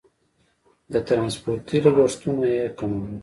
د ټرانسپورتي لګښتونه یې کمول.